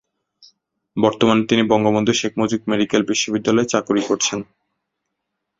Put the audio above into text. বর্তমানে তিনি বঙ্গবন্ধু শেখ মুজিব মেডিকেল বিশ্ববিদ্যালয়ে চাকুরি করছেন।